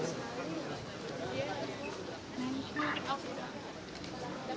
saya tidak membahas hasil